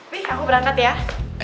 wih aku berangkat ya